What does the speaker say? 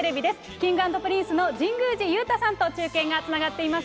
Ｋｉｎｇ＆Ｐｒｉｎｃｅの神宮寺勇太さんと中継がつながっています。